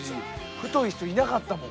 太い人いなかったもん。